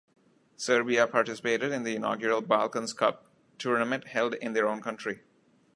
Serbia participated in the inaugural Balkans Cup tournament held in their own country.